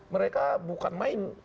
mereka bukan main